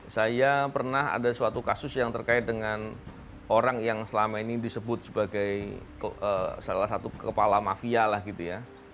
saya pernah ada suatu kasus yang terkait dengan orang yang selama ini disebut sebagai salah satu kepala mafia lah gitu ya